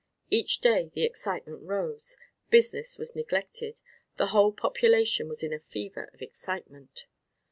Each day the excitement rose, business was neglected, the whole population was in a fever of excitement.